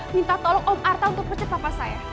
minta tolong om arta untuk pecek papa saya